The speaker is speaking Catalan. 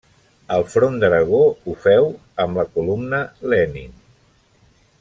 Al Front d'Aragó ho féu amb la columna Lenin.